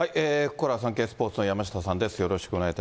ここからはサンケイスポーツの山下さんです。